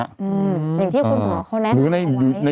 อืมอย่างที่คุณหมอเขาแนะนำไว้